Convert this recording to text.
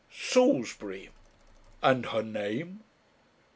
"Salisbury." "And her name?"